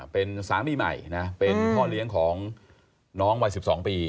เป็นสามีใหม่นะเป็นพ่อเลี้ยงของน้องวัย๑๒ปี